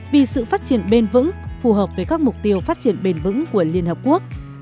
vì sự phát triển bền vững phù hợp với các mục tiêu phát triển bền vững của liên hợp quốc